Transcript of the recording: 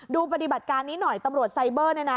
ดูปฏิบัติการนี้หน่อยตำรวจไซเบอร์เนี่ยนะ